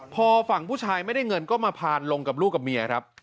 พอฝั่งผู้ชายไม่ได้เงินก็มาพานลงกับลูกกับเมียครับ